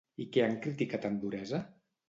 I què han criticat amb duresa?